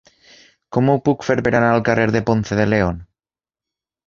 Com ho puc fer per anar al carrer de Ponce de León?